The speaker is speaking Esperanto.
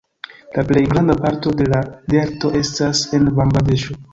La plej granda parto de la delto estas en Bangladeŝo.